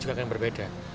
juga akan berbeda